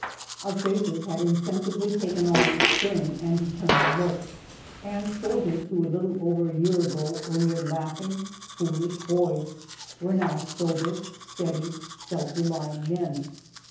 Our faces had insensibly taken on a stern and determined look, and soldiers who a little over a year ago were mere laughing, foolish boys, were now sober, steady, self relying men.